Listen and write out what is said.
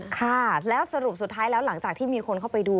ค่ะแล้วสรุปสุดท้ายแล้วหลังจากที่มีคนเข้าไปดู